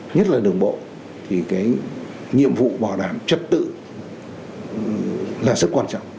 nhất là đường bộ thì nhiệm vụ bảo đảm trật tự là rất quan trọng